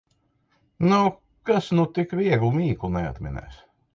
Nu, kas nu tik vieglu mīklu neatminēs!